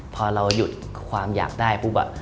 พอเราหยุดความอยากได้ปุ๊บ